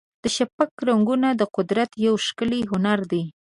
د شفق رنګونه د قدرت یو ښکلی هنر دی.